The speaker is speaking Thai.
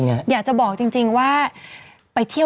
ดื่มน้ำก่อนสักนิดใช่ไหมคะคุณพี่